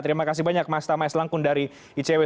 terima kasih banyak mas tamais langkun dari icw